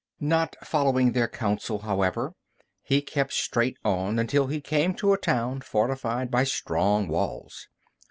Not following their counsel, however, he kept straight on until he came to a town fortified by strong walls.